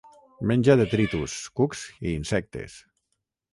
Menja detritus, cucs i insectes.